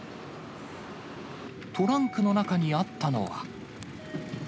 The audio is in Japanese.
トランクの中にあったのは。